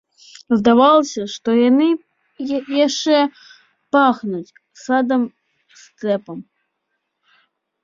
Здавалася, што яны яшчэ пахнуць садам, стэпам.